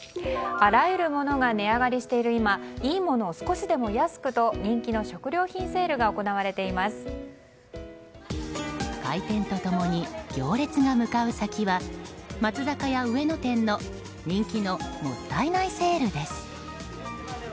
あらゆるものが値上がりしている今いいものを少しでも安くと人気の食料品セールが開店と共に行列が向かう先は松坂屋上野店の人気のもったいないセールです。